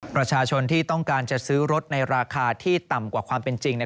ประชาชนที่ต้องการจะซื้อรถในราคาที่ต่ำกว่าความเป็นจริง